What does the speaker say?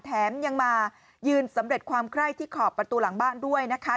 แถมยังมายืนสำเร็จความไคร้ที่ขอบประตูหลังบ้านด้วยนะคะ